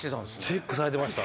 チェックされてました。